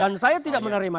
dan saya tidak menerima